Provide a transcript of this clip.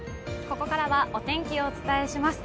ここからはお天気をお伝えします。